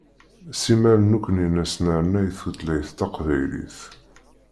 Simmal nekni nesnernay tutlayt taqbaylit.